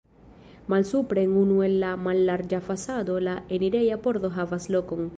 Malsupre en unu el la mallarĝa fasado la enireja pordo havas lokon.